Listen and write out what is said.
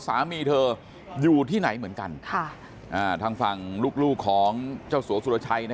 สามีเธออยู่ที่ไหนเหมือนกันทางฝั่งลูกของเจ้าสัวสุรชัย